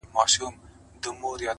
ورته شعرونه وايم؛